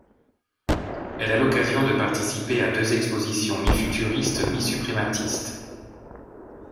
Elle a l’occasion de participer à deux expositions mi-futuristes, mi-suprématistes.